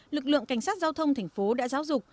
lực lượng cảnh sát giao thông thành phố đã giáo dục